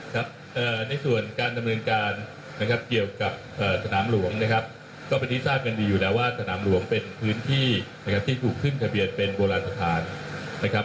ครับในส่วนการดำเนินการนะครับเกี่ยวกับสนามหลวงนะครับก็เป็นที่ทราบกันดีอยู่แล้วว่าสนามหลวงเป็นพื้นที่นะครับที่ถูกขึ้นทะเบียนเป็นโบราณสถานนะครับ